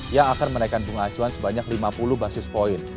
yang akan menaikkan pengacuan sebanyak lima puluh basis point